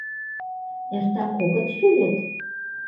Эртак огыт йӱ вет!